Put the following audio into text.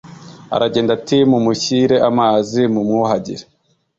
aragenda ati ‘mumushyire amazi mumwuhagire,